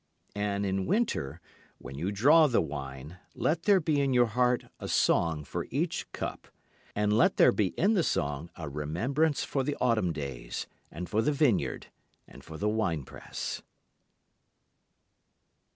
And in winter, when you draw the wine, let there be in your heart a song for each cup; And let there be in the song a remembrance for the autumn days, and for the vineyard, and for the winepress.